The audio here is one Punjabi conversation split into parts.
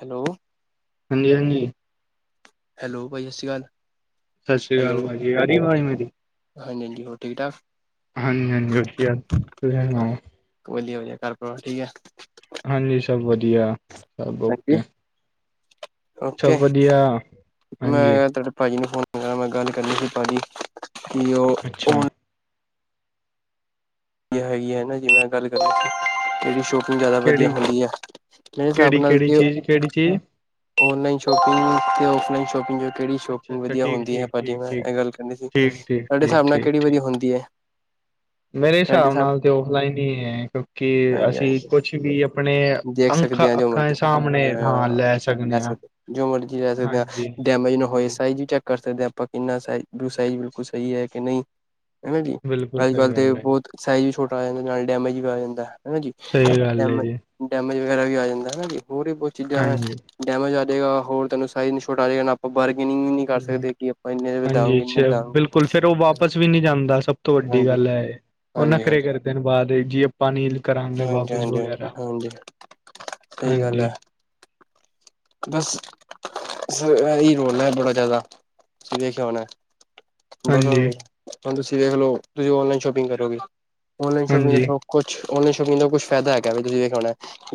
ਹੈਲੋ ਹਾਂਜੀ ਹਾਂਜੀ। ਹੈਲੋ ਭਾਜੀ ਸਤਿ ਸ਼੍ਰੀ ਅਕਾਲ। ਸਤਿ ਸ਼੍ਰੀ ਹੈਲੋ ਅਕਾਲ ਭਾਜੀ ਆ ਰਹੀ ਆਵਾਜ਼ ਮੇਰੀ ਹਾਂਜੀ ਹਾਂਜੀ ਹੋਰ ਠੀਕ ਠਾਕ ਹਾਂਜੀ ਹਾਂਜੀ ਉੱਠ ਗਿਆ ਤੁਸੀਂ ਸੁਣਾਓ ਕੋਲੀ ਵਾਲੀ ਘਰ ਪਰੌਂਠੀ ਹੈ। ਹਾਂਜੀ ਸਭ ਵਧੀਆ ਸਭ ਹਾਂਜੀ ਓਕੇ ਓਕੇ ਸਭ ਵਧੀਆ ਹਾਂਜੀ ਮੈਂ ਤੁਹਾਡੇ ਭਾਜੀ ਨੂੰ ਫੋਨ ਮੈਂ ਉਨਾ ਗੱਲ ਕਰਨੀ ਸੀ ਭਾਜੀ ਕਿ ਉਹ ਅੱਛਾ [unintelligible] ਹੈਗੀ ਹੈ ਹੈਗੀ ਨਾ ਜਿਵੇ ਮੈਂ ਗੱਲ ਕਰਾਂ ਸੀ ਜਿਹੜੀ ਸ਼ੋ ਜ਼ਿਆਦਾ ਵਧੀਆ ਕਿਹੜੀ ਹੁੰਦੀ ਆ, ਮੇਰੇ ਹਿਸਾਬ ਕਿਹੜੀ ਨਾਲ ਕਿਹੜੀ ਤੇ ਚੀਜ਼ ਕਿਹੜੀ ਚੀਜ਼ ਔਨਲਾਈਨ ਸ਼ੋਪਿੰਗ ਤੇ ਔਫਲਾਈਨ ਸ਼ੋਪਿੰਗ ਜੋ ਕਿਹੜੀ ਅੱਛਾ ਸ਼ੋਪਿੰਗ ਅੱਛਾ ਵਧੀਆ ਠੀਕ ਹੁੰਦੀ ਹੈ? ਠੀਕ ਭਾਜੀ ਠੀਕ ਮੈਂ ਠੀਕ ਇਹ ਗੱਲ ਕਰਨੀ ਸੀ, ਠੀਕ ਠੀਕ ਤੁਹਾਡੇ ਠੀਕ ਹਿਸਾਬ ਨਾਲ ਠੀਕ ਕਿਹੜੀ ਠੀਕ ਵਧੀਆ ਹੁੰਦੀ ਐ? ਮੇਰੇ ਹਿਸਾਬ ਨਾਲ ਤੇ ਆਫਲਾਈਨ ਹੀ ਹੈ, ਕਿਉਂਕਿ ਹਾਂਜੀ ਅਸੀਂ ਹਾਂਜੀ ਕੁਛ ਵੀ ਆਪਣੇ ਦੇਖ ਅੰਖਾਂ ਸਕਦੇ ਹਾਂ ਜੋ ਅੱਖਾਂ ਦੇ ਮਰਜੀ ਸਾਹਮਣੇ ਹਾਂ ਅ ਲੈ ਲੈ ਹਾਂ ਸਕਦੇ ਜੋ ਮਰਜੀ ਲੈ ਸਕਦੇ ਹਾਂ ਹਾਂਜੀ ਡੈਮੇਜ ਨਾ ਹੋਏ ਹਾਂਜੀ ਸਾਈਜ਼ ਵੀ ਚੈੱਕ ਕਰ ਸਕਦੇ ਹਾਂ, ਆਪਾਂ ਕਿੰਨਾ ਸਈਜ਼ ਬਿਲਕੁਲ ਸਹੀ ਹੈ ਕਿ ਨਹੀਂ। ਹਨਾ ਜੀ? ਬਿਲਕੁਲ ਅੱਜ ਸਹੀ ਕੱਲ੍ਹ ਤੇ ਗੱਲ ਹੈ ਜੀ ਬਹੁਤ- ਸਾਈਜ਼ ਵੀ ਛੋਟਾ ਆ ਜਾਂਦਾ, ਨਾਲ ਡੈਮੇਜ ਵੀ ਆ ਜਾਂਦਾ ਹੈਨਾ ਜੀ? ਸਹੀ ਗੱਲ ਹੈ ਡੈਮੇ ਜੀ ਡੈਮੇਜ ਵਗੈਰਾ ਵੀ ਆ ਜਾਂਦਾ ਹਨਾ ਜੀ? ਹੋਰ ਵੀ ਬਹੁਤ ਚੀਜ਼ਾਂ ਹੈ ਹਾਂਜੀ ਡੈਮੇਜ ਆ ਜਾਏਗਾ, ਹੋਰ ਤੁਹਾਨੂੰ ਸਈਜ ਨਹੀਂ ਛੋਟਾ ਆ ਜਾਏਗਾ ਨਾ ਬਾਰਗੇਨਿੰਗ ਨਹੀਂ ਕਰ ਹ ਸਕਦੇ ਕਿ ਆਪਾਂ ਇੰਨੇ ਦੇ ਹਾਂਜੀ, ਦਾਂਗੇ ਇੰਨੇ ਅੱਛਾ ਦਾਂਗੇ ਬਿਲਕੁਲ ਫੇਰ ਉਹ ਵਾਪਸ ਵੀ ਨਹੀਂ ਜਾਂਦਾ, ਸਭ ਤੋਂ ਵੱਡੀ ਹਾਂਜੀ ਗੱਲ ਹੈਏ ਉਹ ਹਾਂਜੀ ਨੱਖਰੇ ਹਾਂਜੀ ਕਰਦੇ ਬਾਅਦ ਜੀ ਪਾ ਨਲ ਕਰਾਂਗੇ ਹਾਂਜੀ ਹਾਂਜੀ ਵਾਪਸ ਹਾਂਜੀ ਵਗੈਰਾ ਹਾਂਜੀ ਸਹੀ ਗੱਲ ਹਾਂਜੀ। ਹੈ ਬਸ ਇਹੀ ਰੋਲ ਬੜਾ ਜਿਆਦਾ ਤੁਸੀਂ ਦੇਖਿਆ ਹੋਨਾ? ਬ ਹ ਹਾਂਜੀ ਤੁਸੀਂ ਦੇਖ ਲ ਤੁਸੀਂ ਔਨਲਾਈਨ ਸ਼ੋਪਿੰਗ ਕਰੋਗੇ ਔਨਲਾਈਨ ਹਾਂਜੀ ਸ਼ੋਪਿੰਗ ਕੁਛ ਔਲਾਈਨ ਸ਼ੋਪਿੰਗ ਕੁਝ ਫਾਇਦਾ ਹੈਗਾ ਵੀ ਤੁਸੀਂ ਦੇਖਣਾ,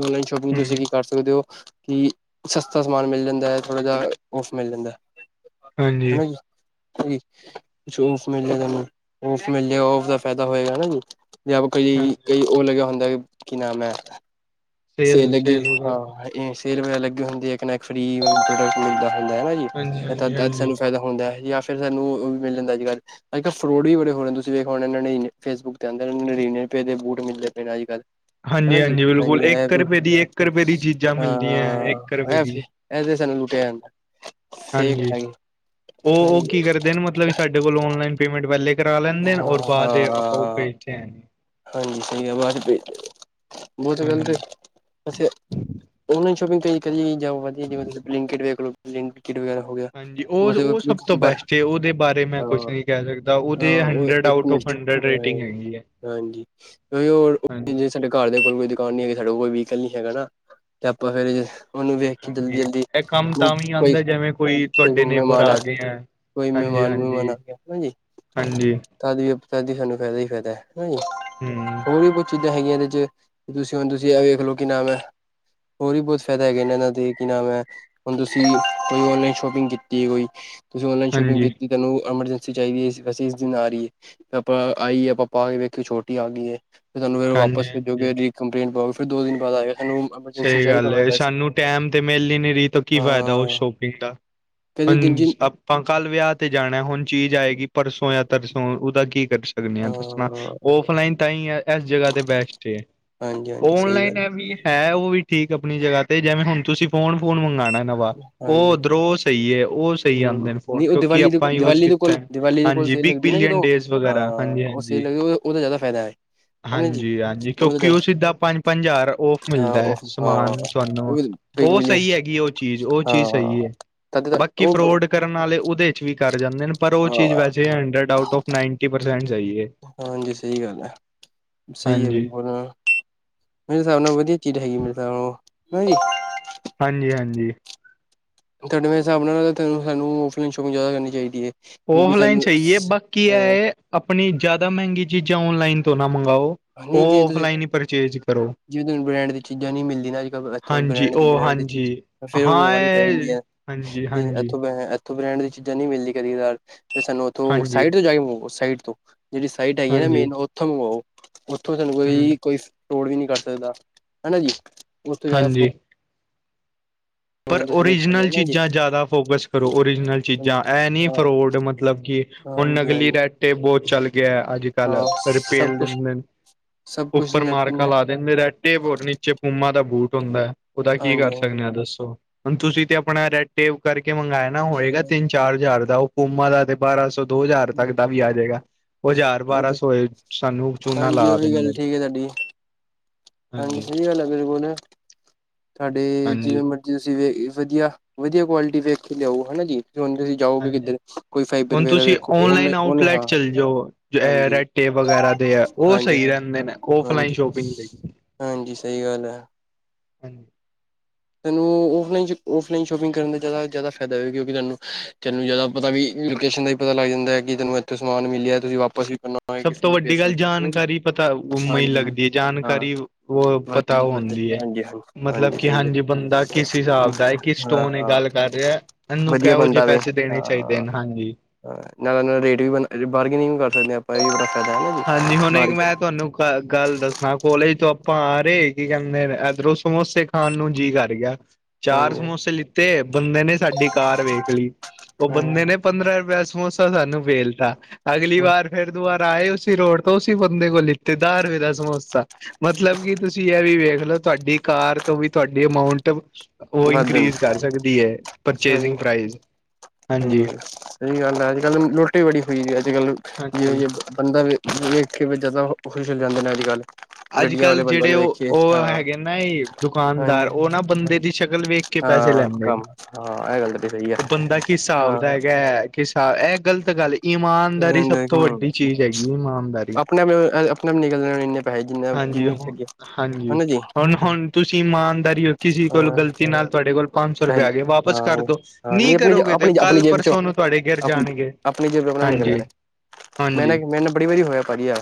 ਆਨਲਾਈਨ ਸ਼ੋਪਿੰਗ ਹਮ ਤੁਸੀਂ ਕੀ ਕਰ ਸਕਦੇ ਹੋ ਕਿ ਸਸਤਾ ਸਮਾਨ ਮਿਲ ਜਾਂਦਾ ਹੈ, ਥੋੜਾ ਜਾ ਔਫ ਮਿਲ ਜਾਂਦਾ, ਹਾਂਜੀ ਹਨਾ ਜੀ? ਓਫ ਮਿਲਗਾ ਓਫ ਮਿਲੇਗਾ ਓਫ ਦਾ ਫਾਇਦਾ ਹੋਏਗਾ ਨ ਜੀ? ਜਾਂ ਕਈ ਹਾਂਜੀ ਕਈ ਉਹ ਲੱਗਿਆ ਹੁੰਦਾ, ਕੀ ਨਾਮ ਐ? ਸੇਲ ਲੱਗੀ ਹਾਂ, ਸੇਲ ਵਗੈਰਾ ਲੱਗੀ ਹੁੰਦੀ ਇਕ ਨਾਲ ਇਕ ਫਰੀ [inaudible] ਦਾ ਜੀ ਹਾਂਜੀ ਤਾਂ ਹਾਂਜੀ ਅੱਜ ਹਾਂਜੀ ਸਾਨੂੰ ਫ਼ਾਇਦਾ ਹੁੰਦਾ ਹੈ, ਜਾਂ ਫਿਰ ਸਾਨੂੰ ਵੀ ਮਿਲ ਜਾਂਦਾ ਅੱਜ ਕੱਲ੍ਹ! ਅੱਜ ਕੱਲ੍ਹ ਫਰੋਡ ਵੀ ਬੜੇ ਹੋ ਰ ਨੇ ਤੁਸੀਂ ਦੇਖ ਹੋ ਨੜੀਨਵੇ ਫੇਸਬੁੱਕ ਤੇ ਆਉਂਦੇ ਨੇ ਨੜਿਨਵੇ ਰੁਪਏ ਦੇ ਬੂਟ ਮਿਲਦੇ ਪਏ ਅੱਜ- ਕੱਲ੍ਹ! ਹਾਂਜੀ- ਹਾਂਜੀ! ਬਿਲਕੁਲ ਇੱਕ ਰੁਪਏ ਦੀ, ਇੱਕ ਰੁਪਏ ਦੀ ਚੀਜ਼ਾਂ ਮਿਲਦੀਆਂ ਹੈ, ਇੱਕ ਰੁਪਏ ਦੀ, ਐ ਤੇ ਸਾਨੂੰ ਲੁੱਟਿਆ ਜਾਂਦਾ। ਠੀਕ ਹਾਂਜੀ, ਹੈਗੀ ਉਹ ਕੀ ਕਰਦੇ ਨੇ ਮਤਲਬ ਵੀ ਸਾਡੇ ਕੋਲ ਔਨਲਾਈਨ ਪੇਮੈਂਟ ਪਹਿਲੇ ਕਰਾ ਲੈਂਦੇ ਨੇ, ਹਾਂ ਔਰ ਬਾਅਦ ਚ ਅਕਾਊ ਹਾਂ ਭੇਜਦੇ ਆ। ਹਾਂਜੀ, ਸਹੀ ਆਵਾਜ਼ ਭ ਬਹੁਤ ਗਲਤ ਹਾਂਜੀ ਗਲ ਏ। ਔਨਲਾਈਨ ਸ਼ੋਪਿੰਗ ਕਰੀ ਜਾ ਵੀਆ ਬਲਿੰਕਿਟ ਵੇਖਲੋ ਬਲਿੰਕਿਟ ਵਗੈਰਾ ਹੋ ਗਿਆ ਹਾਂਜੀ! ਉਹ ਉਹਦੇ ਉਹ ਸਭ ਤੋਂ ਬਾਰ ਬੈਸਟ ਏ, ਉਹਦੇ ਬਾਰੇ ਮੈਂ ਕੁਛ ਹਾਂ ਨਹੀਂ ਕਹਿ ਸਕਦਾ, ਉਹਦੇ ਉਹ ਹੰਡਰਡ ਇੱਕ ਆਊਟ ਟੁ ਮਿੰਟ ਚ ਹੰਡਰਡ ਰੇਟਿੰਗ ਹਾਂ ਹੈਗੀ ਐ। ਹਾਂਜੀ, ਉ ਹੋਰ ਜ ਸਾਡੇ! ਘਰ ਦੇ ਕੋਲ ਕੋਈ ਦੁਕਾਨ ਨੀ ਹੈਗੀ, ਸਾਡੇ ਕੋਈ ਵੀਹੀਕਲ ਨੀ ਹੈਗਾ ਨਾ ਤੇ ਆਪਾਂ ਫੇਰ ਉਹਨੂੰ ਵੇਖ ਕੇ ਜਲਦੀ- ਹਾਂਜੀ ਜਲਦੀ ਇਹ ਕੰਮ ਤਾਂ ਵੀ ਕੋਈ- ਆਉਂਦਾ ਜਿਵੇਂ ਕੋਈ ਤੁਹਾਡੇ ਨੇਬਰ ਮਹਮਾਣ ਆ ਗਏ ਹੈ। ਕੋਈ ਹਾਂਜੀ ਹਾਂਜੀ ਮਹਿਮਾਨ-ਵਹਿਮਾਨ ਆ ਗਿਆ ਹਨਾ ਜੀ? ਹਾਂਜੀ! ਤਦੀ -ਤਦੀ ਸਾਨੂੰ ਫਾਇਦਾ ਹੀ ਫਾਇਦਾ ਹੈ। ਜੀ! ਹਮ ਹੋਰ ਵੀ ਕੁਛ ਚੀਜ਼ਾਂ ਹੈਗੀਆਂ, ਇਹਦੇ ਚ ਤੁਸੀਂ ਹੁਣ ਤੁਸੀਂ ਇਹ ਵੇਖ ਲੋ ਕੀ ਨਾਮ ਹੈ? ਹੋਰ ਵੀ ਬਹੁਤ ਫਾਇਦਾ ਹੈਗਾ, ਇਹਨਾਂ ਦੇ ਕੀ ਨਾ ਐ? ਹੁਣ ਤੁਸੀਂ ਕੋਈ ਔਨਲਾਈਨ ਸ਼ੋਪਿੰਗ ਕੀਤੀ ਹੈ ਕੋਈ ਤੁਸੀਂ ਔਨਲਾਈਨ ਸ਼ੋਪਿੰਗ ਹਾਂਜੀ ਕੀਤੀ, ਤੈਨੂੰ ਐਮਰਜੈਂਸੀ ਚਾਹੀਦੀ ਹੈ, ਵੈੇਸੇ ਇਸ ਦਿਨ ਆਹੀ ਹੈ, ਆਪਾਂ ਆਈਏ ਆਪਾਂ ਪਾ ਕੇ ਵੇਖ ਕੇ ਛੋਟੀ ਆ ਗਈ ਹੈ, ਫਿਰ ਤਾਨੂ ਫਿਰ ਹਾਂਜੀ ਵਾਪਸ ਹਾਂਜੀ ਭੇਜੋਗੇ, ਰੀਕੰਪਲੇਂਟ ਪਾਉਓ, ਫਿਰ ਦੋ ਦਿਨ ਬਾਅਦ ਆਏਗਾ ਸਾਨੂੰ ਐਮਰਜੈਂਸੀ ਸਹੀ ਚਾਹੀਦਾ ਗੱਲ ਹੋਇਆ ਹੈ, ਵੈਸੇ ਸਾਨੂੰ ਟੈਮ ਤੇ ਮਿਲ ਹੀ ਨੀ ਰਹੀ ਤਾਂ ਕੀ ਫਾਇਦਾ ਉਸ ਹਾਂ ਸ਼ੋਪਿੰਗ ਦਾ ਕਦੀ ਜਿਨ-ਜਿਨ ਪਾਂ ਕੱਲ ਵੇਆ ਤੇ ਜਾਣਾ, ਹੁਣ ਚੀਜ਼ ਆਏਗੀ ਪਰਸੋਂ ਯਾ ਤਰਸੋਂ, ਉਦਾ ਕੀ ਕਰ ਸ [unintelligible] ਦੱਸਣਾ, ਹਾਂ ਔਫਲਾਈਨ ਤਾਂਈ ੲੈ ੲੈਸ ਜਗ੍ਹਾ ਤੇ ਬੈਸ਼ਟ ਏ! ਹਾਂਜੀ ਹਾਂਜੀ ਸਹੀ ਓਨਲਾਈਨ ਗੱਲ ੲੈਵੀ ਹੈ, ਓ ਵੀ ਠੀਕ ਅਪਣੀ ਜਗ੍ਹਾ ਤੇ, ਜੈਵੇਂ ਹੁਣ ਤੁਸੀਂ ਫੋਨ-ਫੂਨ ਮੰਗਾਣਾ ਨਵ ਵਾ, ਓ ਹਾਂਜੀ ਓਧਰੋਂ ਸਈ ੲੈ, ਓ ਸਈ ਹਮ ਆਦੇ ਨੇ ਨਹੀਂ ਫੋਨ ਉਹ ਕਿਉਂਕਿ ਦੀਵਾਲੀ ਦੇ ਆਪਾਂ ਯੂਸ ਦੀਵਾਲੀ ਦੇ ਕੋਲ ਕੀਤਾ। ਦੀਵਾਲੀ ਦੇ ਕੋਲ ਹਾਂਜੀ, ਸੇਲ ਬਿਗ ਲੱਗਦੀ ਨਾ ਬਿਲੀਅਨ ਡੇਜ਼ ਵਗੈਰਾ, ਹਾਂਜੀ -ਹਾਂਜੀ। ਓਦਾ ਜਾਦਾ ਫੈਦਾ। ਹਾਂਜੀ-ਆਂਜੀ, ਕਿਉਂਕਿ ਓ ਸਿੱਧਾ ਪੰਜ-ਪੰਜ ਜਾਰ ਔਫ ਹਾਂ ਮਿਲਦਾ ੲੈ, ਉਹ ਹਾਂ ਸਮਾਨ ਤਵਾਨੂੰ ਉਹ ਬਿਗ ਓ ਬਿਲੀਅਨ ਸਈ ਹੈਗੀ ਏ, ਓ ਚੀਜ਼, ਓ ਚੀਜ਼ ਹਾਂ ਸਹੀ ੲੈ। ਤਦ ਤੱਕ ਬਾਕੀ ਉਹ ਫਰੋਡ ਕਰਨ ਵਾਲੇ ਉਦੇ 'ਚ ਵੀ ਕੱਰ ਜਾਂਦੇ ਨੇ, ਪਰ ਓ ਚੀਜ਼ ਹਾਂ ਵੈਸੇ hundred out of ninety percent ਸਈ ਏ। ਹਾਂਜੀ, ਸਈ ਗੱਲ ੲੈ, ਸਈ ਏ। ਹਾਂਜੀ [unintelligible] ਮੇਰੇ ਸਾਬ ਨਾਲ ਵਧੀਆ ਚੀਜ਼ ਹੈਗੀ, ਮੇਰੇ ਸਾਬ ਨਾਲ [unintelligible] ਹਾਂਜੀ-ਹਾਂਜੀ। ਤਵਾਡਵੇ ਸਾਬ ਨਾਲ ਤਾਨੂੰ-ਸਾਨੂੰ ਔਫਲਾਈਨ ਸ਼ੋਪਿੰਗ ਜ਼ਾਦਾ ਕਰਨੀ ਚਾਦੀ ਏ। ਔਫਲਾਈਨ ਸਈ ਏ, ਬਾਕੀ ੲੈ, ਆਪਣੀ ਜਾਆਦਾ ਮੈਗੀ ਚੀਜ਼ਾਂ ਔਨਲਾਈਨ ਤੋਂ ਨਾ ਮਗਾਓ। ਓ, ਔਫਲਾਈਨ ਈ ਪਰਚੇਜ ਕਰੋ। ਜਿਵੇਂ ਤਾਨੂੰ ਬ੍ਰੈਂਡ ਦੀ ਚੀਜ਼ਾਂ ਨੀ ਮਿਲਦੀ ਨਾ ਅੱਜ-ਕੱਲ, ਇੱਥੋਂ ਹਾਂਜੀ ਬ੍ਰੈਂਡ ਦੇ ਉਹ ਬ੍ਰੈਂਡ ਦੀ ਚੀਜ਼ ਫੇਰ ਓ ਮਗਵਾਣੀ ਪੈ ਜਾਂਦੀਆਂ। ਹਾਂਜੀ-ਹਾਂਜੀ। ਥੋ ਬ੍ਰੈਂਡ ਦੀ ਚੀਜ਼ਾਂ ਨੀ ਮਿਲਦੀ ਕਦੀ-ਕਦਾਰ ਤੇ ਸਾਨੂੰ ਉੱਥੋਂ ਹਾਂਜੀ ਸਾਈਡ ਤੇ ਜਾਕੇ ਸਾਈਟ ਤੋਂ! ਜੇੜੀ ਸਾਈਡ ਹੈਗੀ ੲੈ ਨਾ, ਹਾਂਜੀ ਮੇਨ ਉਥੋਂ ਮਗਵਾਓ! ਉੱਥੋਂ ਸਾਨੂੰ ਹੂੰ ਕੋਈ-ਕੋਈ ਫਰੋਡ ਵੀ ਨੀ ਕੱਰ ਸਕਦਾ, ਹਨਾ ਜੀ! ਉਸਤੋਂ ਜਾਦਾ ਫ ਹਾਂਜੀ ਪਰ ਤੁਸੀਂ ਵੇਖੇ ਹੋਣੇ ਓਰੀਜਨਲ ਹਨਾ ਜੀ ਚੀਜ਼ਾਂ ਜ਼ਾਦਾ ਫੋਕਸ ਕਰੋ। ਓਰੀਜਨਲ ਚੀਜ਼ਾਂ ੲੈ, ਨੀ ਹਾਂ ਫਰੋਡ ਮਤਲਬ ਕਿ। ਹੁਣ ਹਾਂਜੀ ਨਗਲੀ ਹਾਂਜੀ ਰਾਟੇਬੋ ਚੱਲ ਗਿਆ ਅੱਜ। ਹਾਂ ਪੈਲਵ ਸਭ ਰਿਪੇਲ ਕੁਛ ਦਿੰਦੇ ਨੇ, ਸਭ ਕੁਛ ਉੱਪਰ ਨੈਟ ਮਾਰਕਾ ਨੈਟ ਲਾ ਦਿੰਦੇ ਰੈ ਏ ਵੋਟ ਨੀਚੇ ਪੂਮਾ ਦਾ ਬੂਟ ਹੁੰਦਾ, ਓਦਾ ਕੀ ਹਾਂਜੀ ਕੱਰ ਸਕਣੇ ਆ ਦੱਸੋ। ਹੁਣ ਤੁਸੀਂ ਤੇ ਆਪਣਾ ਰੈ ਟੇਪ ਕੱਰਕੇ ਮੰਗਾਆ ਨਾ, ਹੋਏਗਾ ਤਿੰਨ-ਚਾਰ ਜ਼ਾਰ ਦਾ ਓ ਪੂਮਾ ਦਾ ਤੇ। ਬਾਰਾਂ ਸੌ ਦੋ ਜ਼ਾਰ ਤੱਕ ਦਾ ਵੀ ਆ ਜੇਗਾ। ਹੋਜ਼ਾਰ-ਬਾਰਾਂ ਹਾਂਜੀ ਸੌਏ ਸਾਨੂੰ ਚੂਨਾ ਹਾਂਜੀ ਲਾ ਉਹ ਵੀ ਗੱਲ ਦਿੰਦੇ। ਠੀਕ ਹੈ ਤੁਹਾਡੀ ਹਾਂਜੀ ਸਈ, ਗੱਲ ਆ, ਮੇਰੇ ਕੋਲ ਨਾ ਸਾਡੀ ਹਾਂਜੀ ਜਿਵੇਂ ਮਿ ਤੁਸੀਂ ਵੀ ਵਧੀਆ-ਵਧੀਆ ਕਵਾਲਟੀ ਵੇਖ ਕੇ ਲੇਆਓ, ਹਨਾ ਜੀ ਹਣ ਤੁਸੀ? ਹਾਂਜੀ, ਹੁਣ ਤੁਸੀਂ ਉਹਨੇ ਓਨਲਾਈਨ ਉਹਨੇ ਆਊਟਲੈਟ ਹਾਂ ਚੱਲ ਜਾਓ, ਜੋ ੲੈ-ੲੈ ਹਾਂਜੀ ਰੈਟ ਟੇ ਵਗੈਰਾ ਦੇ ਅ ਓ ਹਾਂਜੀ ਸਈ ਹਾਂਜੀ ਰੈੰਦੇ ਨੇ ਔਫਲਾਈਨ ਹਾਂਜੀ ਸ਼ੋਪਿੰਗ ਲਈ। ਹਾਂਜੀ ਸਈ ਗੱਲ ੲੈ। ਹਾਂਜੀ, ਤੇਨੂੰ ਔਫਲਾਈਨ ਸ਼, ਔਫਲਾਈਨ ਸ਼ੋਪਿੰਗ ਕਰਨ ਦਾ ਜ਼ਾਦਾ-ਜ਼ਾਦਾ ਫਾਦਾ ਕਿਉਂਕਿ ਤਾਨੂੰ-ਤਾਨੂੰ ਜ਼ਾਦਾ ਪਤਾ ਵੀ ਲੋਕੇਸ਼ਨ ਪਤਾ ਲੱਗਦਾ ਕਿ ਤੈਨੂੰ ਇੱਥੋਂ ਸਮਾਨ ਮਿਲੇਆ, ਤੁਸੀਂ ਵਾਪਸ ਵੀ ਕਰਨਾ। ਹੋਏ ਸਭ ਕਿਸੇ ਤੋਂ ਨੂੰ ਵੱਡੀ ਭੇਜ ਗੱਲ, ਸਕਦੇ ਹੋ ਹਨਾ ਜੀ ਜਾਣਕਾਰੀ ਪਤਾ ਵ ਮਈ ਹਾਂਜੀ ਲੱਗਦੀ ਹੈ, ਹਾਂ ਜਾਣਕਾਰੀ ਵ ਪ ਤਾਂ ਹਾਂਜੀ ੳ ਵਧ ਹੁੰਦੀ ਐ, ਹਾਂਜੀ ਹਾਂਜੀ ਮਤਲਬ ਕਿ ਸਹੀ ਹਾਂਜੀ। ਬੰਦਾ ਕਿਸ ਗੱਲ ਹਿਸਾਬ ਦਾ ਏ। ਕਿਸ ਹਾਂ ਸਟੋਨ ਏ ਹਾਂ ਗੱਲ ਕਰ ਰੇਐ। ਏਨੂੰ ਵਧੀਆ ਕੈਹੋ ਜੇ ਪੈਸੇ ਦੇਣੇ ਚਾਈਦੇ ਨ, ਹਾਂਜੀ। ਨਾਲ-ਨਾਲ ਰੇਟ ਵੀ ਬਨ ਬਾਰਗੇਨਿੰਗ ਵੀ ਕਰ ਸਕਦੇ ਆਂ ਹਾਂਜੀ ਹੁਣ ਇੱਕ ਅਪਾ। ਮੈਂ [unintelligible] ਤੁਹਾਨੂੰ ਗੱਲ ਦੱਸਣਾ ਕੋਲੇਜ ਤੋਂ ਆਪਾਂ ਆ ਰਹੇ, ਕੀ ਕੈੰਦੇ ਏਧਰੋਂ ਸਮੋਸੇ ਖਾਣ ਨੂੰ ਜੀ ਕੱਰ ਗੇਆ। ਚਾਰ ਹਾਂਜੀ ਸਮੋਸੇ ਲਿੱਤੇ, ਬੰਦੇ ਨੇ ਸਾਡੀ ਕਾਰ ਵੇਖ ਲੀ, ਓ ਬੰਦੇ ਨੇ ਹਾਂ ਪੰਦਰਾਂ ਰੁਪਏ ਸਮੋਸਾ ਸਾਨੂੰ ਵੇਲਤਾ, ਅਗਲੀ ਵਾਰ ਫੇਰ ਦੁਬਾਰ ਆਏ ਉਸ। ਫਿ ਰੋੜ ਤੋਂ ਉਸੀ ਬੰਦੇ ਕੋਲ ਲਿੱਤੇ, ਦਾਰ ਰਪਏ ਦਾ ਸਮੋਸਾ। ਮਤਲਬ ਕਿ ਤੁਸੀਂ ਇਹ ਵੀ ਵੇਖ ਲੋ ਤੁਹਾਡੀ ਕਾਰ ਤੋਂ ਵੀ ਤੁਹਾਡੀ ਅਮਾਊਂਟ। ਉਹ ਵਧਣ ਇਨਕਰੀਜ਼ ਕਰ ਸਕਦੀ ਹੈ। Purchasing price. ਹਾਂਜੀ ਹਾਂ, ਸਹੀ ਗੱਲ ਹੈ ਅੱਜ ਕੱਲ ਲੁੱਟ ਬੜੀ ਹੋ ਅੱਜ ਕੱਲ ਹਾਂਜੀ ਜਿ। ਬੰਦਾ ਵ ਵੇਖ ਕੇ ਜਦਾ ਖੁਸ਼ ਹੋ ਜਾਂਦੇ ਨੇ ਅੱਜ ਕੱਲ੍ਹ। ਅੱਜ ਗੱਡੀਆਂ ਕੱਲ ਵਾਲੇ ਬੰਦਿਆਂ ਜਿਹੜੇ ਨੂੰ ਉਹ ਵੇਖੀਏ ਹਾਂ ਉਹ ਹੈਗੇ ਨਾ ਇਹ ਦੁਕਾਨਦਾਰ ਉਹ ਹਾਂਜੀ ਨਾ ਬੰਦੇ ਦੀ ਸ਼ਕਲ ਵੇਖ। ਕੇ ਪੈਸੇ ਹਾਂ ਲੈਂਦੇ ਨੇ ਕੰਮ ਹਾਂ ਇਹ ਗੱਲ ਤਾਂ ਸਹੀ ਆ ਉਹ ਬੰਦਾ ਕੀ ਹਿਸਾਬ ਹਾਂ ਦਾ ਹੈਗਾ। ਕਿਸ ਇਹ ਗ਼ਲਤ ਗੱਲ ਇਮਾਨਦਾਰੀ ਸਭ ਤੋਂ ਹਮ ਵੱਡੀ ਚੀਜ਼ ਹੈਗੀ ਇਮਾਨਦਾਰੀ। ਆਪਣੇ ਆਪ ਇਹ ਆਪਣੇ ਆਪ ਨਿਕਲ ਜਾਣੇ ਨੇ। ਹਾਂਜੀ -ਹਾਂਜੀ ਜੀ ਹੁਣ ਹੁਣ ਤੁਸੀਂ ਇਮਾਨਦਾਰੀ ਰਖੀ ਸੀ ਤੋ ਹਾਂ ਗ਼ਲਤੀ ਨਾਲ ਤੁਹਾਡੇ ਕੋਲੋ। ਪੰਜ ਸੌ ਹਾਂ ਰੁਪਇਆ ਆਗੇ ਵਾਪਸ ਕਰਦੋ ਹਾਂ ਨੀ ਨਹੀਂ ਆਪਣੀ ਕਰੋਗੇ ਤੇ ਆਪਣੀ ਆਪਣੀ ਕੱਲ ਜੇਬ ਚੋਂ ਪਰਸੋਂ ਨੂੰ ਤੁਹਾਡੇ ਗਿਰ ਆਪਣੀ ਜਾਣਗੇ ਆਪਣੀ ਜੇਬ ਆਪਣਾ ਹਾਂਜੀ। ਨਿਕਲ ਜੀ ਲੈਣੇ ਮੈਂ ਨਾ ਹਾਂਜੀ। ਮੇਰੇ ਨਾਲ ਬੜੀ ਵਾਰੀ ਹੋਇਆ ਭਾਜੀ ਆ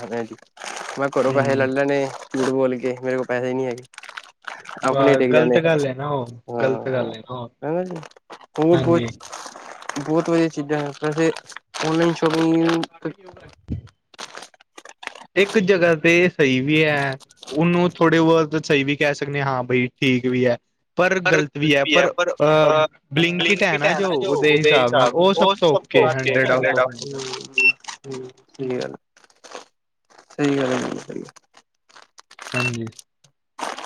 ਮੈਂ ਘਰੋਂ ਪੈਸੇ ਲੈ ਹਮ ਲੈਣੇ। ਝੂਠ ਬੋਲ ਕੇ ਮੇਰੇ ਕੋਲ ਪੈਸੇ ਹੀ ਨਹੀਂ ਹੈਗੇ। ਬ ਆਪਣੇ ਡਿੱਗ ਗ਼ਲਤ ਜਾਣੇ ਗੱਲ ਹੈ ਨਾ ਉਹ, ਗ਼ਲਤ ਗੱਲ ਹੈ ਨਾ ਉਹ। ਹੈਨਾ ਜੀ, ਹੁਣ ਬਹੁਤ ਹਾਂਜੀ ਬਹੁਤ ਵਧੀਆ ਚੀਜ਼ਾਂ ਹੈ ਵੈਸੇ ਔਨਲਾਈਨ। ਕਵਮੀਨ [inaudible] ਇੱਕ ਜਗ੍ਹਾ ਤੇ ਸਹੀ ਵੀ ਹੈ। ਉਹਨੂੰ ਥੋੜ੍ਹੇ ਬਹੁਤ ਸਹੀ ਵੀ ਕਹਿ ਸਕਦੇ ਹ ਹਾਂ ਬਾਈ ਠੀਕ ਵੀ ਹੈ। ਪਰ ਗ਼ਲਤ ਵੀ ਹੈ ਪਰ ਅ ਬਲਿੰਕਟ ਹੈ ਨਾ ਜੋ ਉਹਦੇ ਹਿਸਾਬ ਨਾਲ ਉਹ ਸਭ ਤੋਂ। Hundred out of hundred. ਸਹੀ ਗੱਲ ਹੈਜੀ। ਹਾਂਜੀ।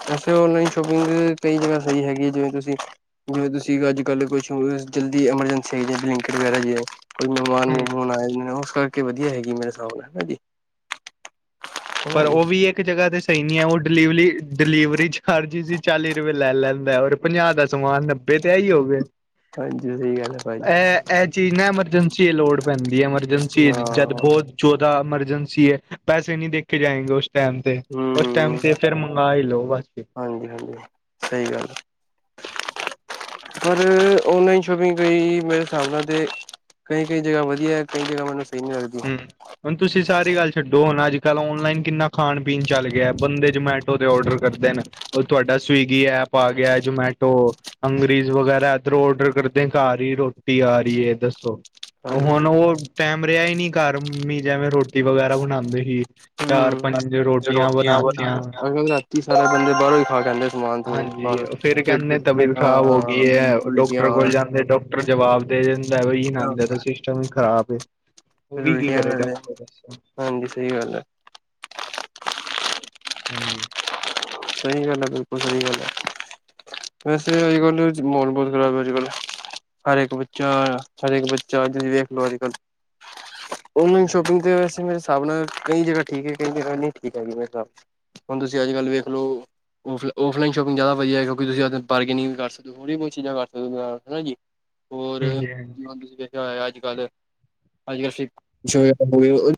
ਵੈਸੇ ਔਨਲਾਈਨ ਸ਼ੋਪਿੰਗ ਕਈ ਜਗ੍ਹਾ ਸਹੀ ਹੈਗੀ ਹੈਜਿਵੇਂ ਤੁਸੀਂ। ਜਿਵੇਂ ਤੁਸੀਂ ਅੱਜ ਕੱਲ ਕੁਛ ਜਲਦੀ ਐਮਰਜੈਂਸੀ ਹੈਗੀ ਬਲੈਂਕਟ ਵਗੈਰਾ ਹੈਗੀ ਹੈ। ਕੋਈ ਮਹਿਮਾਨ ਹੂੰ ਮੁਮਾਨ ਆਏ ਉਸ ਕਰਕੇ ਵਧੀਆ ਹੈਗੀ ਮੇਰੇ ਹਿਸਾਬ ਨਾਲ ਹੈ ਜੀ। ਹਨਾ ਪਰ ਜੀ ਉਹ ਵੀ ਇੱਕ। ਇੱਕ ਜਗ੍ਹਾ ਤੇ ਸਹੀ ਨਹੀਂ ਹੈ। ਉਹ ਡਿਲੀਵਲੀ ਡਿਲੀਵਰੀ ਚਾਰਜ ਸੀ ਚਾਲੀ ਰੁਪਏ ਲੈ ਲੈਂਦਾ ਔਰ। ਪੰਜਾਹ ਦਾ ਸਮਾਨ ਨੱਬੇ ਤੇ ਆ ਹੀ ਹੋ ਗਏ। ਹਾਂਜੀ ਸਹੀ ਗੱਲ ਹੈ ਭਾਜੀ। ਇਹ ਇਹ ਚੀਜ਼ ਨਾ ਐਮਰਜੈਂਸੀ ਵਿਚ ਲੋੜ ਪੈਂਦੀ ਹੈ ਐਮਰਜੈਂਸੀ ਹਾਂ ਜਦ ਬਹੁਤ। ਚੌਦਾਂ ਐਮਰਜੈਂਸੀ ਹੈ ਪੈਸੇ ਨਹੀਂ ਦੇਖ ਕੇ ਜਾਏਂਗੇ ਉਸ ਟਾਈਮ। ਤੇ ਉਸ ਟਾਈਮ ਹਮ ਤੇ ਫੇਰ ਮੰਗਵਾ ਹੀ ਲੋ ਬਸ ਹਾਂਜੀ -ਹਾਂਜੀ ਸਹੀ ਗੱਲ। ਪਰ ਔਨਲਾਈਨ ਸ਼ਾਪਿੰਗ ਗਈ ਮੇਰੇ ਹਿਸਾਬ ਨਾਲ ਤੇ। ਕਈ ਕਈ ਜਗ੍ਹਾ ਵਧੀਆ ਕਈ ਜਗ਼੍ਹਾ ਮਤਲਬ ਸਹੀ ਨੀ ਲਗਦੀ। ਹੂੰ ਹੁਣ ਤੁਸੀਂ ਸਾਰੀ ਗੱਲ ਛੱਡੋ ਹੁਣ ਅੱਜ ਕੱਲ ਓਨਲਾਈਨ ਕਿੰਨਾ ਖਾਣ ਪੀਣ ਚੱਲ ਗਿਆ ਬੰਦੇ ਜਮੈਟੋ। [inaudible] ਔਡਰ ਕਰਦੇ ਨੇ ਉਹ ਤੁਹਾਡਾ ਸਵੀਗੀ ਐਪ ਆ ਗਿਆ ਜਮੈਟੋ। ਹੰਗਰੀਜ ਵਗੈਰਾ ਇਧਰੋਂ ਔਡਰ ਕਰਦੇ ਘਾਰ ਹੀ ਰੋਟੀ ਆ ਰਹੀ ਹੈ ਦੱਸੋ। ਹੁਣ ਹਾਂਜੀ ਉਹ ਟੈਮ ਰਿਹਾ ਹੀ ਨਹੀਂ ਘਰ ਮੰਮੀ ਜਿਵੇਂ ਰੋਟੀ ਵਗੈਰਾ ਬਣਾਉਂਦੇ ਸੀ। ਚਾਰ ਹਮ ਪੰਜ ਰੋਟੀਆਂ ਬਣਾਤੀਆਂ। ਅਗਰ [inaudible] ਸਾਰੇ ਬੰਦੇ ਬਾਹਰੋਂ ਹੀ ਖਾ ਕਹਿੰਦੇ [inaudible] ਹਾਂਜੀ ਫਿਰ ਕਹਿੰਦੇ ਤਬੀਅਤ ਖ਼ਰਾਬ ਹੋ ਗਈ ਹਾਂ ਏ ਐ ਉਲਟੀਆਂ ਡੋਕਟਰ ਕੋਲ ਜਾਂਦੇ ਡੋਕਟਰ ਜਵਾਬ। ਦੇ ਦਿੰਦੈ ਬਈ ਇਹਨਾਂ ਦਾ ਫਿਰ ਸਿਸਟਮ ਹੀ ਖ਼ਰਾਬ ਵੇ ਉਹ ਵੀ ਕੀ ਉਲਟੀਆਂ ਕਰੇ ਕਰਦੇ ਡਾਕਟਰ ਦਸ। ਹਾਂਜੀ ਸਹੀ ਗੱਲ ਹੈ। ਹਾਂਜੀ [inaudible] ਸਹੀ ਗੱਲ ਹੈ, ਬਿਲਕੁਲ ਸਹੀ ਗੱਲ ਹੈ। ਵੈਸੇ ਅਜ ਕੱਲ ਵਿਚ, ਮਾਹੋਲ ਬਹੁਤ ਖ਼ਰਾਬ ਹੈ ਅੱਜ ਕਲ ਹਰ ਇੱਕ ਬੱਚਾ, ਹਰ ਇੱਕ ਬੱਚਾ [inaudible] ਵੇਖ ਲਓ ਅੱਜ ਕੱਲ ਔਨਲਾਈਨ ਹਾਂਜੀ ਸ਼ੋਪਿੰਗ ਤੇ ਵੈਸੇ [inaudible] ਹਿਸਾਬ ਨਾਲ ਕਈ ਜਗ੍ਹਾ ਠੀਕ ਹੈ, ਕਈ ਜਗ੍ਹਾ ਨਹੀਂ ਠੀਕ ਹੈਗੀ, ਮੇਰੇ ਹਿਸਾਬ [inaudible] ਹੁਣ ਤੁਸੀਂ ਅੱਜ ਕੱਲ੍ਹ ਵੇਖ ਲੋ ਔਫਲ-ਔਫਲਾਈਨ, ਸ਼ੋਪਿੰਗ ਜਿਆਦਾ ਵਧੀਆ ਹੈ ਕਿਉਂਕ ਤੁਸੀਂ ਬਾਰਗੇਨਿੰਗ ਵੀ ਕਰ [inaudible] ਸਕਦੇ ਹੋ, ਥੌੜ੍ਹੀ ਬਹੁ ਚੀਜ਼ ਕਰ ਸਕਦੇ ਕਿਓ ਜੀ ਹੋਰ, ਹਾਂਜੀ-ਹਾਂਜੀ, ਜਿ ਹੁਣ ਤੁਸੀਂ ਦੇਖਿਆ ਹੋਇਆ ਅੱਜ ਕੱਲ੍ਹ, ਅੱਜ ਕੱਲ [inaudible]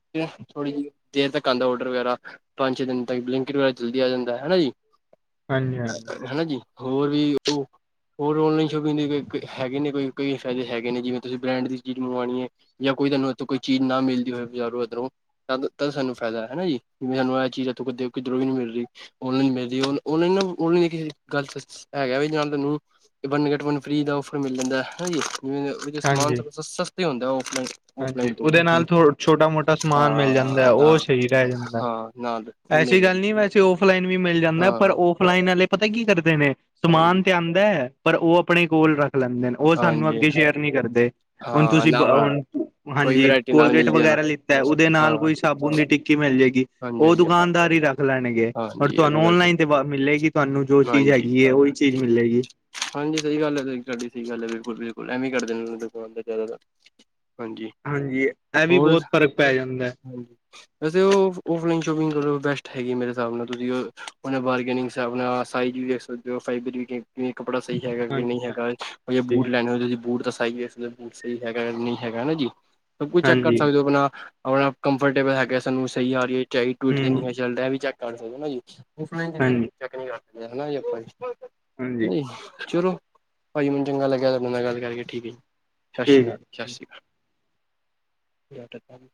[unintelligible] ਥੋੜੀ ਜਿ, ਦੇਰ ਤੱਕ ਆਂਦਾ ਓਡਰ ਵਗੈਰਾ ਪੰਜ ਛੇ ਦਿਨ ਤੱਕ, ਬਲਿੰਕੀਟ ਵਗੈਰਾ 'ਚ ਜਲਦੀ ਆ ਜਾਂਦਾ, ਹਨਾ ਜੀ ਹਾਂਜੀ-ਹਾਂਜੀ, ਹਾਂਜੀ। ਹਨਾ ਜੀ, ਹੋਰ ਵੀ ਉਹ ਹੋਰ ਔਨਲਾਈਨ ਸ਼ੋਪਿੰਗ ਕੋਈ ਹੈਗੇ ਨੇ, ਕਈ- ਕਈ ਫਾਇਦੇ ਹੈਗੇ ਨੇ, ਜਿਵੇਂ ਤੁਸੀਂ ਬ੍ਰੈਂਡ ਦੀ ਚੀਜ਼ ਮੰਗਵਾਉਣੀ ਏ ਜਾਂ ਕੋਈ ਤੈਨੂੰ ਇੱਥੋਂ ਕੋਈ ਚੀਜ਼ ਨਾ ਮਿਲਦੀ ਹੋਏ, ਬਜਾਰੋਂ ਉੱਧਰੋਂ ਤਦ-ਤਦ ਸਾਨੂੰ ਫਾਇਦਾ ਹੈ ਹਨਾ ਜੀ, ਜਿਵੇਂ ਸਾਨੂੰ ਇਹ ਚੀਜ਼, ਇੱਥ ਕਿਧ-ਕਿੱਧਰੋਂ ਵੀ ਨੀ ਮਿਲ ਰਹੀ ਔਨਲਾਈਨ ਮਿਲ ਰ, ਔ-ਔਨਲਾਈਨ ਨਾ [inaudible] [unintelligible] ਗੱਲ ਸ ਹੈਗਾ ਬੀ, ਚਾਲ ਤੁੈਨੂੰ ਵਨ ਗੈਟ ਵਨ ਫਰੀ ਦਾ ਔਫਰ ਮਿਲ ਜਾਂਦਾ ਜੀ, ਹੈਨਾ ਜੀ, ਹਾਂਜੀ ਸਮਾਨ ਹਾਂਜੀ ਸ-ਸਸਤੇ ਹੁੰਦਾ, ਓਫਲਾਈਨ ਹਾਂਜੀ, ਉਹਦੇ ਨਾਲ ਥੋੜ ਛੋਟਾ- ਮੋਟਾ ਸਮਾਨ ਮਿਲ ਜਾਂਦਾ ਹੈ, ਹਾਂ ਨਾ ਉਹ ਸ਼ਹੀ ਰਹਿ ਜਾਂਦੈ। ਹਾਂ, ਨਾਲ ਉਹ ਐਸੀ ਮਿਲ ਗੱਲ ਜਾਂਦਾ ਨੀ [unintelligible] ਸੇ ਔਫਲਾਈਨ ਵੀ ਮਿਲ ਜਾਂਦਾ, ਪਰ ਹਾਂ ਔਫਲਾਈਨ ਵਾਲੇ ਪਤਾ ਕੀ ਕਰਦੇ ਨੇ, ਹਾਂਜੀ ਸਮਾਨ ਤੇ ਆਉਂਦਾ ਪਰ ਉਹ ਆਪਣੇ ਕੋਲ ਰੱਖ ਲੈਂਦੇ ਨੇ, ਉਹ ਸਾਨੂੰ ਹਾਂਜੀ ਅੱਗੇ ਸ਼ੇਅਰ ਨਹੀਂ ਕਰਦੇ, ਹੁਣ ਹਾਂ ਤੁਸੀਂ ਬ ਨਾ ਹੁ ਕੋਈ ਹਾਂਜੀ, ਵਰਾਇਟੀ ਨਾਲ ਕੋਲਗੇਟ ਮਿਲਦੀ ਹੈ ਨਾ ਵਗੈਰਾ ਲਿੱਤਾ, ਉਹਦੇ ਨਾਲ ਹਾਂ ਕੋਈ ਸਾਬੁਣ ਦੀ ਟਿੱਕੀ ਮਿਲ ਜਏਗੀ। ਹਾਂਜੀ ਉਹ, ਹਾਂਜੀ ਦੁਕਾਨਦਾਰ ਹੀ ਰੱਖ ਲੈਣਗੇ। ਪਰ ਹਾਂਜੀ ਇਹ ਵੀ ਤੁਹਾਨੂੰ ਗੱਲ ਸਹੀ ਔਨਲਾਈਨ ਤੇ ਮਿਲੇਗੀ ਤੁਹਾਨੂੰ, ਜੋ ਚੀਜ਼ ਹਾਂਜੀ ਹੈਗੀ ਹੈ, ਉਹੀ ਚੀਜ਼ ਮਿਲੇਗੀ। ਹਾਂਜੀ ਸਹੀ ਗੱਲ ਹੈ ਤਾਡੀ, ਸਹੀ ਗੱਲ ਹੈ ਬਿਲਕੁਲ- ਬਿਲਕੁਲ, ਐਵੇਂ ਕਰਦੇ ਨੇ ਦੁਕਾਨ ਦਾ ਜ਼ਿਆਦਾ ਤਰ ਹਾਂਜੀ, ਇਹ ਵੀ ਹੋਰ ਬਹੁਤ ਫ਼ਰਕ ਪੈ ਜਾਂਦਾ। [inaudible] ਵੈਸੇ ਉਹ ਔਫਲਾਈਨ ਸ਼ੋਪਿੰਗ ਕਰੋ, ਬੈਸਟ ਹੈਗੀ ਮੇਰੇ ਤੁਸੀਂ ਉਨ੍ਹਾਂ ਬਾਰਗੇਨਿੰਗ ਸਾਬ ਨਾਲ, ਸਾਇਜ਼ ਵਿ ਵੇਖ ਸਕ [inaudible] ਕਿ ਕੱਪੜਾ ਸਹੀ ਹੈ ਕਿ ਹਾਂਜੀ ਨਹੀਂ ਹੈਗਾ 'ਚ, ਉਰ ਜੇ ਹਾਂਜੀ ਹਾਂਜੀ ਬੂਟ ਲੈਣੇ ਹੋਏ, ਤੁਸੀਂ ਬੂਟ ਤਾਂ ਸਾਈਜ਼ ਵਿ ਵੇਖ ਸਕਦੇ ਸਹੀ ਹੈਗਾ ਨਹੀਂ ਹੈਗਾ ਹਨਾ ਜੀ, ਸਭ ਕੁਝ ਚੈੱਕ ਕਰ ਹਾਂਜੀ ਸਕਦੇ ਹੋ ਆਪਣਾ ਆਪਣਾ ਕੰਫਰਟੇਬਲ ਹੈਗਾ, ਸਾਨੂੰ ਸਹੀ ਆ ਰਹੀ 'ਚ [unintelligible] ਹਾਂਜੀ ਹੂੰ ਰਿਹਾ ਵੀ, ਚੈੱਕ ਕਰ ਸਕਦੇ ਹੋ ਹੈਨਾ ਜੀ। ਔਫਲਾਈਨ 'ਚ ਇਨ੍ਹਾਂ ਹਾਂਜੀ ਚੈੱਕ ਨੀ ਕਰ ਸਕਦੇ, ਹਾਂਜੀ ਚਲੌ ਭਾਅ ਜੀ, ਮੈਨ ਚੰਗਾ ਲਗਿਆਂ ਤਾਡੇ ਨਾਲ ਗੱਲ ਕਰਕੇ, ਠੀਕ ਹੈ ਜੀ ਸਤਿ ਸ਼੍ਰੀ ਠੀਕ ਹੈ ਅਕਾਲ। ਸਸ਼ਰੀ ਕਾਲ।